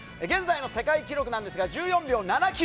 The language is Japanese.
現在の世界記録なんですが１４秒７９。